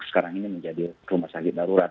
sekarang ini menjadi rumah sakit darurat